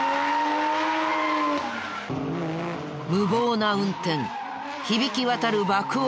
無謀な運転響き渡る爆音。